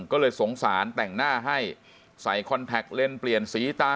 ก็เลยสงสารแต่งหน้าให้ใส่คอนแท็กเลนส์เปลี่ยนสีตา